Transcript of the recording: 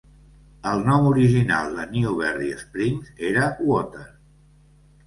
El nom original de Newberry Springs era "Water".